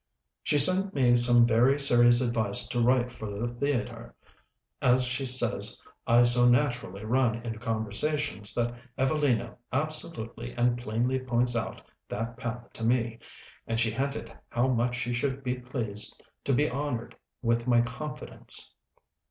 She sent me some very serious advice to write for the theatre, as she says I so naturally run into conversations that 'Evelina' absolutely and plainly points out that path to me; and she hinted how much she should be pleased to be "honored with my confidence."